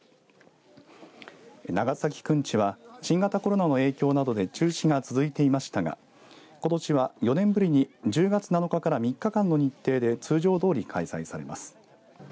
長崎くんちは新型コロナの影響などで中止が続いていましたがことしは４年ぶりに１０月７日から３日間の日程で通常どおり開催されます。